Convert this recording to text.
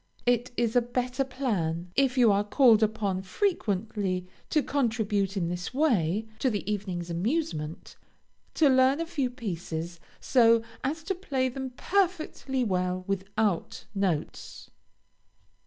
It is a better plan, if you are called upon frequently to contribute in this way to the evening's amusement, to learn a few pieces so as to play them perfectly well without notes.